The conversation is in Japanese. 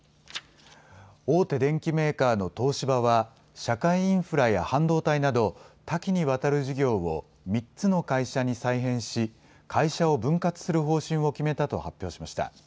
大手電機メーカーの東芝は社会インフラや半導体など多岐にわたる事業を３つの会社に再編し会社を分割する方針を決めたと発表しました。